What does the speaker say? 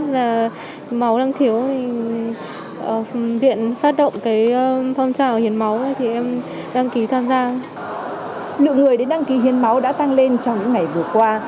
lượng người đến đăng ký hiến máu đã tăng lên trong những ngày vừa qua